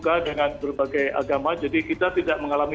masyarakat beradiu sangat berbuka dengan berbagai agama jadi kita tidak mengalami